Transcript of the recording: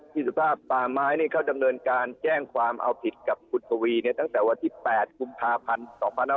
ที่สุดท้ายป่าไม้นี่เค้าดำเนินการแจ้งความเอาผิดกับคุณสวีเนี่ยตั้งแต่วันที่๘กุมภาพันธ์